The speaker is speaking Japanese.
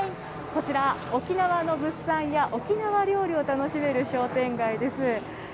こちら、沖縄の物産や、沖縄料理を楽しめる商店街です。